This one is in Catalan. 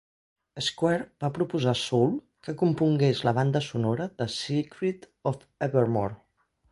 Square va proposar Soul que compongués la banda sonora de "Secret of Evermore".